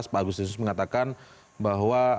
pak agus jesus mengatakan bahwa